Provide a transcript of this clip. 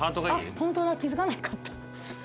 ホントだ気付かなかった。